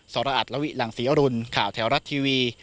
รอัตลวิหลังศรีอรุณข่าวแถวรัฐทีวี